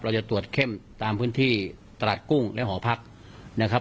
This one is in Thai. เราจะตรวจเข้มตามพื้นที่ตลาดกุ้งและหอพักนะครับ